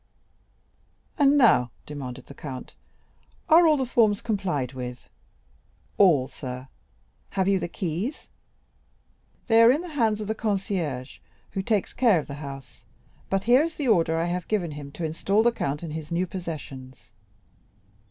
"And now," demanded the count, "are all the forms complied with?" "All, sir." "Have you the keys?" "They are in the hands of the concierge, who takes care of the house, but here is the order I have given him to install the count in his new possessions."